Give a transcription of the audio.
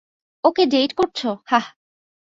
ওকে date করছো, হাহ।